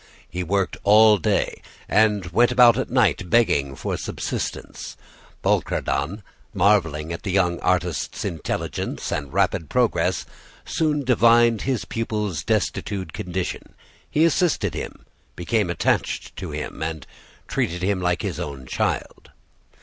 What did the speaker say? He worked all day and went about at night begging for subsistence. Bouchardon, marveling at the young artist's intelligence and rapid progress, soon divined his pupil's destitute condition; he assisted him, became attached to him, and treated him like his own child.